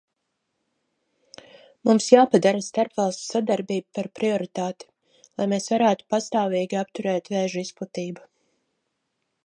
Mums jāpadara starpvalstu sadarbība par prioritāti, lai mēs varētu pastāvīgi apturēt vēža izplatību.